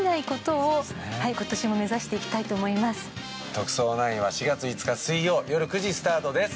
「特捜９」は４月５日水曜夜９時スタートです。